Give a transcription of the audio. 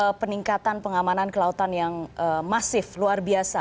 ada peningkatan pengamanan kelautan yang masif luar biasa